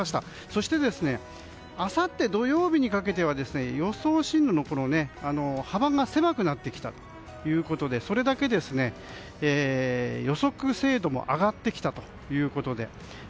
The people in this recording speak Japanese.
そして、あさって土曜日にかけては予想進路の幅が狭くなってきたということでそれだけ予測精度も上がってきたということで。